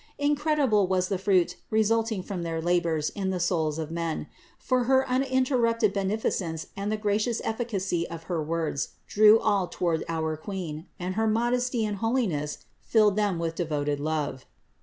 Incredible was the fruit resulting from their labors in the souls of men ; for her uninterrupted beneficence and the gracious efficacy of her words drew all toward our Queen, and her modesty and holiness filled them with devoted love.